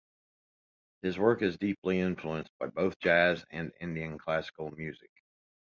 His work is deeply influenced by both jazz and Indian classical music.